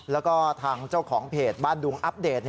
แล้วก็ทางเจ้าของเพจบ้านดุงอัปเดต